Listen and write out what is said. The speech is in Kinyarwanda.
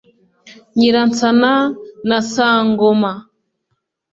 nyiransana na sangoma,